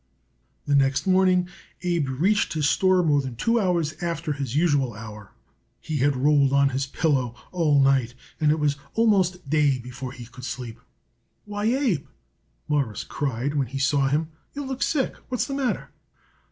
The next morning Abe reached his store more than two hours after his usual hour. He had rolled on his pillow all night, and it was almost day before he could sleep. "Why, Abe," Morris cried when he saw him, "you look sick. What's the matter?"